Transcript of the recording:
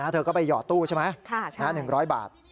เธอก็ไปหยอดตู้ใช่ไหม๑๐๐บาท